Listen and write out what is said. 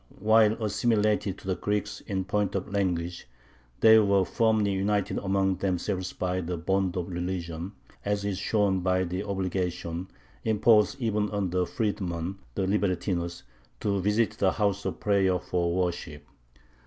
While assimilated to the Greeks in point of language, they were firmly united among themselves by the bond of religion, as is shown by the obligation, imposed even on the freedman, the libertinus, to visit the house of prayer for worship.